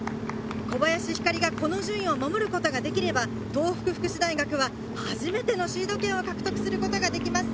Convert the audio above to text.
小林日香莉がこの順位を守ることができれば、東北福祉大学は初めてのシード権を獲得することができます。